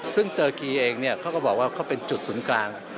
ซึ่งเตอร์กีเองเขาก็บอกว่าเขาเป็นจุดศูนย์กลาง